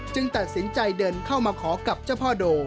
ตัดสินใจเดินเข้ามาขอกับเจ้าพ่อโด